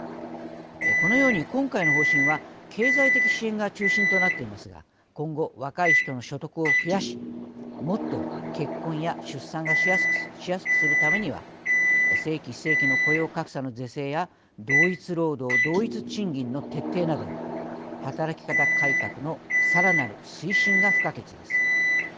このように今回の方針は経済的支援が中心となっていますが今後若い人の所得を増やしもっと結婚や出産がしやすくするためには正規・非正規の雇用格差の是正や同一労働・同一賃金の徹底など働き方改革のさらなる推進が不可欠です。